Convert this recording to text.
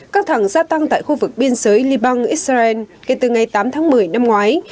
căng thẳng gia tăng tại khu vực biên giới liban israel kể từ ngày tám tháng một mươi năm ngoái